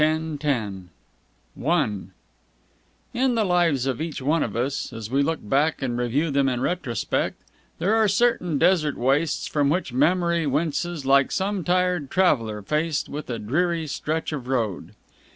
10 I In the lives of each one of us, as we look back and review them in retrospect, there are certain desert wastes from which memory winces like some tired traveller faced with a dreary stretch of road.